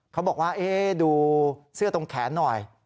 เขาบอกว่าดูเสื้อตรงแขนหน่อย